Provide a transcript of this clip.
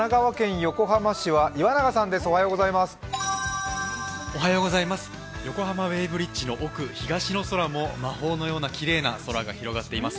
横浜ベイブリッジの奥、東の空も魔法のようなきれいな空が広がっています。